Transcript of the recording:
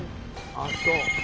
あっそう。